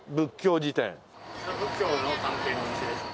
こちら仏教の関係のお店ですね。